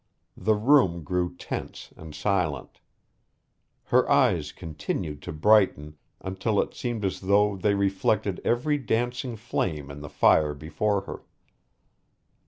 The room grew tense and silent. Her eyes continued to brighten until it seemed as though they reflected every dancing flame in the fire before her.